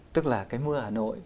tức là cái mưa hà nội